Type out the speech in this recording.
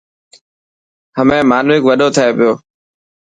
همي حانوڪ وڏو ٿي پيو.